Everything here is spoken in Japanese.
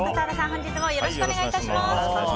本日もよろしくお願い致します。